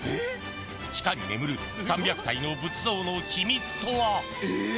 地下に眠る３００体の仏像の秘密とは。